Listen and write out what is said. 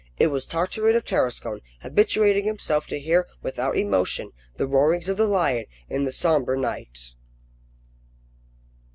It was Tartarin of Tarascon, habituating himself to hear without emotion the roarings of the lion in the sombre night.